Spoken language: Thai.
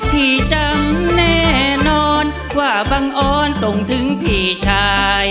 พี่จำแน่นอนว่าบังออนส่งถึงพี่ชาย